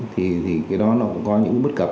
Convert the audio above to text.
thì cái đó nó cũng có những bất cập